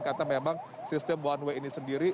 karena memang sistem one way ini sendiri